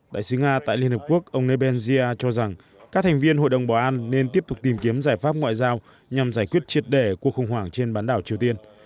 đại sứ nga tại liên hợp quốc ông nebensia cho rằng các thành viên hội đồng bảo an nên tiếp tục tìm kiếm giải pháp ngoại giao nhằm giải quyết triệt đề cuộc khủng hoảng trên bán đảo triều tiên